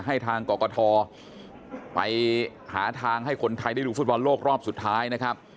ให้ทางกรกฐไปหาทางให้คนไทยได้ดูฟุตบอลโลกรอบสุดท้ายนะครับ